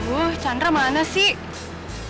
aduh chandra mana sih